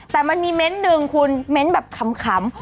แต่มันมีเม้นต์หนึ่งคุณเม้นต์แบบขำ